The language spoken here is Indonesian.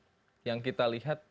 jadi yang kita lihat